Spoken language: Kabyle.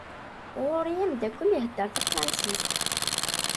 Ɣur-i amdakel ihedder tafransist.